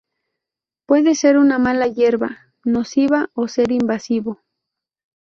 Puede ser una mala hierba nociva o ser invasivo.